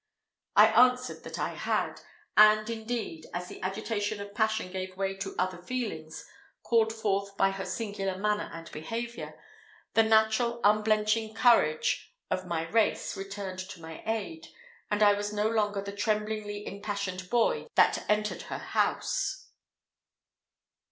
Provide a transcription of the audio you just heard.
I answered that I had; and, indeed, as the agitation of passion gave way to other feelings, called forth by her singular manner and behaviour, the natural unblenching courage of my race returned to my aid, and I was no longer the tremblingly empassioned boy that I entered her house.